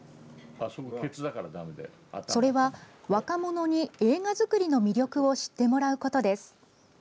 それは、若者に映画作りの魅力を知ってもらうことです。